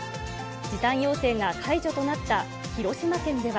時短要請が解除となった広島県では。